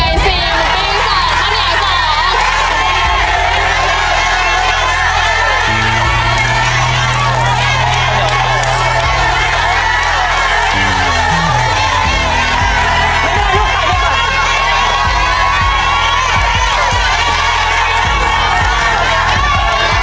เริ่มครับ